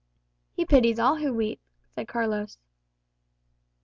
"He pities all who weep," said Carlos.